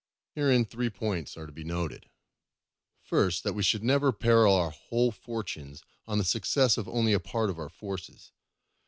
Herein three points are to be noted. First, that we should never peril our whole fortunes on the success of only a part of our forces.